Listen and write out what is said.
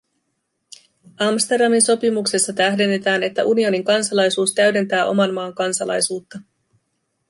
Amsterdamin sopimuksessa tähdennetään, että unionin kansalaisuus täydentää oman maan kansalaisuutta.